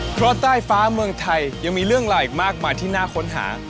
เพราะใต้ฟ้าเมืองไทยยังมีเรื่องราวอีกมากมายที่น่าค้นหา